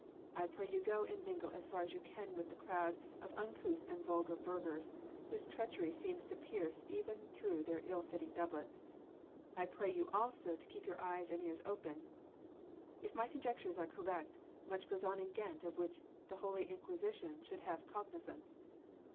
I pray you go and mingle as far as you can with that crowd of uncouth and vulgar burghers whose treachery seems to pierce even through their ill fitting doublets. I pray you also to keep your eyes and ears open ... an my conjectures are correct, much goes on in Ghent of which the Holy Inquisition should have cognisance.